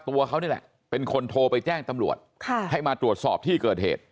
ตัวเขานี่แหละเป็นคนโทรไปแจ้งตำรวจให้มาตรวจสอบที่เกิดเหตุ